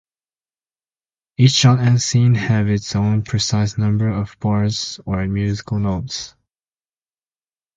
Each shot and scene have its own precise number of bars or musical notes.